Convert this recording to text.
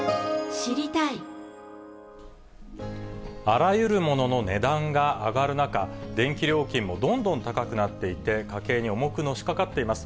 あらゆるものの値段が上がる中、電気料金もどんどん高くなっていて、家計に重くのしかかっています。